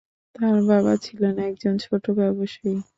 তাঁর বাবা ছিলেন একজন ছোট ব্যবসায়ী।